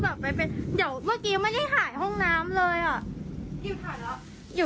เดี๋ยวเมื่อกี้ไม่ได้ถ่ายห้องน้ำเลยอ่ะ